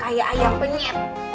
kayak ayam penyet